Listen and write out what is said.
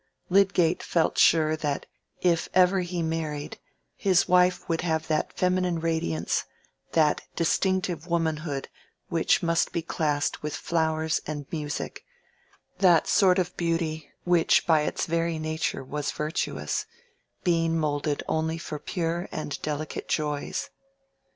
Lydgate felt sure that if ever he married, his wife would have that feminine radiance, that distinctive womanhood which must be classed with flowers and music, that sort of beauty which by its very nature was virtuous, being moulded only for pure and delicate joys.